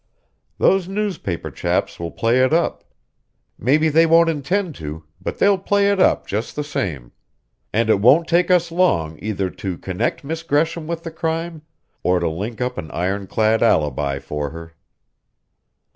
"Those newspaper chaps will play it up. Maybe they won't intend to, but they'll play it up, just the same; and it won't take us long either to connect Miss Gresham with the crime or to link up an iron clad alibi for her."